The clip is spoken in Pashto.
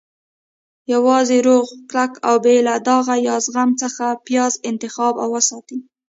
- یوازې روغ، کلک، او بې له داغه یا زخم څخه پیاز انتخاب او وساتئ.